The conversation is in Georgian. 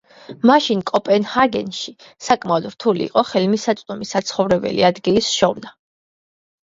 მაშინ კოპენჰაგენში საკმაოდ რთული იყო ხელმისაწვდომი საცხოვრებელი ადგილის შოვნა.